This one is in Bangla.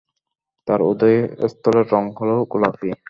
তার উদয় স্থলের রঙ হলো গোলাপী।